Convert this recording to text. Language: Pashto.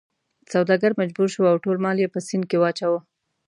سوداګر مجبور شو او ټول مال یې په سیند کې واچاوه.